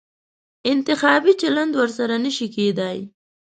انتخابي چلند ورسره نه شي کېدای.